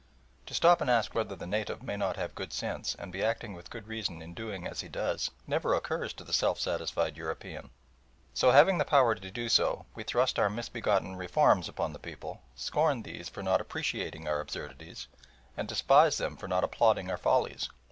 To stop and ask whether the native may not have good sense, and be acting with good reason in doing as he does, never occurs to the self satisfied European. So, having the power to do so, we thrust our misbegotten "reforms" upon the people, scorn these for not appreciating our absurdities, and despise them for not applauding our follies.